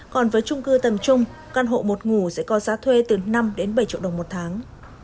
còn với trung cư tầm trung căn hộ một ngủ sẽ có giá thuê từ năm đến bảy triệu đồng một tháng